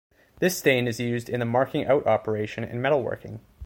This stain is used in the marking out operation in metalworking.